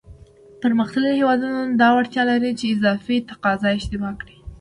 پرمختللی هېوادونه دا وړتیا لري چې اضافي تقاضا اشباع کړي.